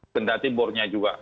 kendati bornya juga